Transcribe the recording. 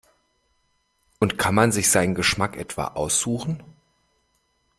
Und kann man sich seinen Geschmack etwa aussuchen?